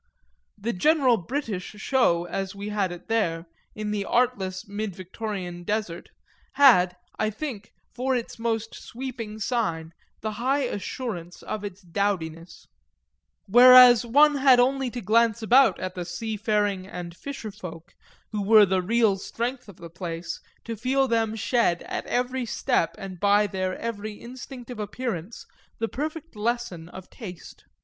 The general British show, as we had it there, in the artless mid Victorian desert, had, I think, for its most sweeping sign the high assurance of its dowdiness; whereas one had only to glance about at the sea faring and fisher folk who were the real strength of the place to feel them shed at every step and by their every instinct of appearance the perfect lesson of taste.